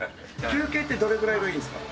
休憩って、どれぐらいがいいんですか？